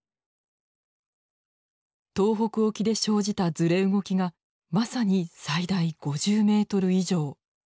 東北沖で生じたずれ動きがまさに最大５０ｍ以上。